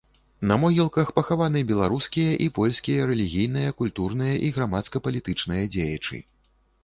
На могілках пахаваны беларускія і польскія рэлігійныя, культурныя і грамадска-палітычныя дзеячы.